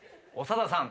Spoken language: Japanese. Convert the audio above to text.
長田さん。